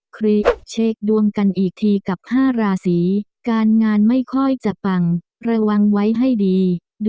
คริเช็คดวงกันอีกทีกับ๕ราศีการงานไม่ค่อยจะปังระวังไว้ให้ดี